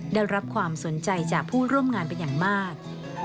ได้รับความสนใจจากผู้ร่วมงานเป็นอย่างมาก